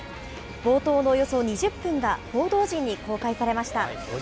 冒頭のおよそ２０分が報道陣に公開されました。